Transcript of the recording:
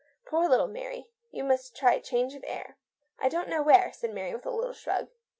Poor little Maiy ! You must try change of air." " I don't know where," said Mary, with a little shrug.